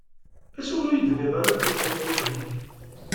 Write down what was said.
Acuɣer ur yi-d-tenniḍ ara belli d tameṭṭut-ik?